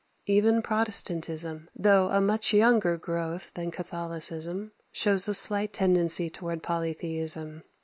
Even Protestantism, though a much younger growth than Catholicism, shows a slight tendency towards polytheism.